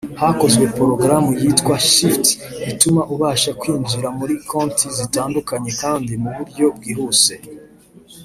hakozwe porogaramu yitwa ‘Shift’ ituma ubasha kwinjira muri konti zitandukanye kandi mu buryo bwihuse